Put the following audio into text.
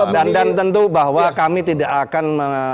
dan tentu bahwa kami tidak akan